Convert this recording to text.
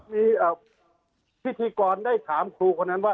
มีพิธีกรได้ถามครูคนนั้นว่า